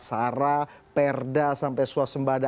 sara perda sampai suasembada